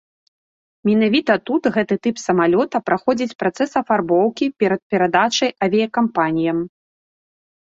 Менавіта тут гэты тып самалёта праходзіць працэс афарбоўкі перад перадачай авіякампаніям.